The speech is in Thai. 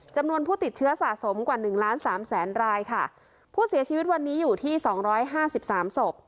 จำนวนผู้ติดเชื้อสะสมกว่าหนึ่งล้านสามแสนรายค่ะผู้เสียชีวิตวันนี้อยู่ที่สองร้อยห้าสิบสามศพ